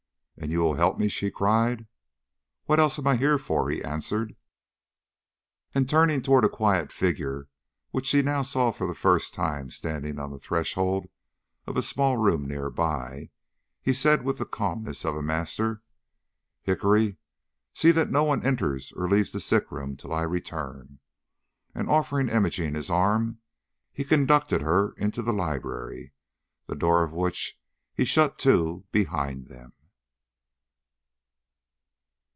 "And you will help me?" she cried. "What else am I here for?" he answered. And turning toward a quiet figure which she now saw for the first time standing on the threshold of a small room near by, he said with the calmness of a master: "Hickory, see that no one enters or leaves the sick room till I return." And offering Imogene his arm, he conducted her into the library, the door of which he shut to behind them.